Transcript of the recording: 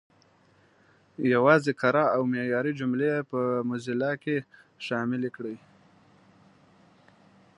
یوازې کره او معیاري جملې په موزیلا کې شامل کړئ.